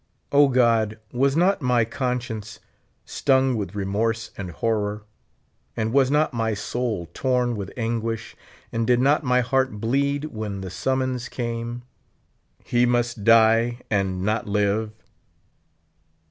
(), God, was not my con science stung with remorse and horror, and was not my Boul torn with anguish, and did not my heart bleed when the summons came : "He must die, and not live."